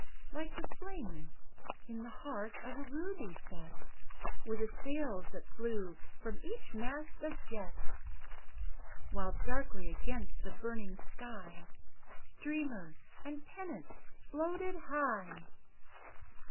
Like the flame in the heart of a ruby set Were the sails that flew from each mast of jet ; While darkly against the burning sky Streamer and pennant floated high.